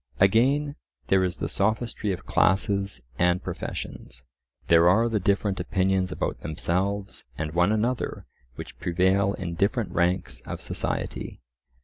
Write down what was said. Again, there is the sophistry of classes and professions. There are the different opinions about themselves and one another which prevail in different ranks of society.